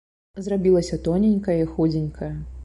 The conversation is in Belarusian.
Зрабілася тоненькая і худзенькая.